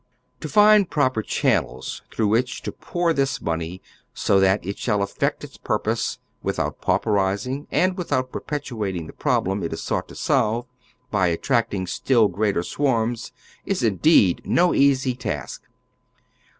To find proper channels through wiiich to pour this money so tiiat it shall effect its purpose without pauperizing, and without perpetuating the problem it is sought to solve, by attracting still greater swarms, is indeed no easy task.